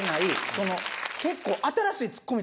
その結構。